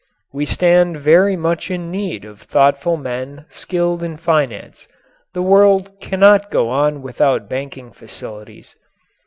We stand very much in need of thoughtful men, skilled in finance. The world cannot go on without banking facilities.